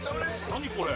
何これ！？